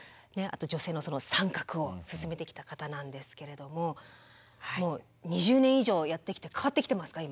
あと女性の参画を進めてきた方なんですけれども２０年以上やってきて変わってきてますか？